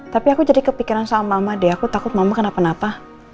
tapi aku jadi kepikiran sama mama deh aku takut mama kenapa napa